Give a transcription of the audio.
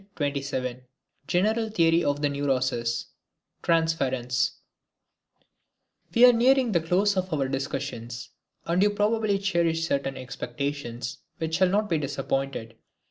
TWENTY SEVENTH LECTURE GENERAL THEORY OF THE NEUROSES Transference We are nearing the close of our discussions, and you probably cherish certain expectations, which shall not be disappointed.